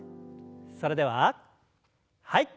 それでははい。